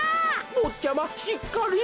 ぼっちゃましっかり。